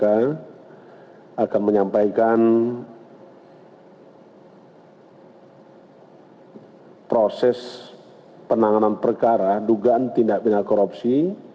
akan menyampaikan proses penanganan perkara dugaan tindak pindah korupsi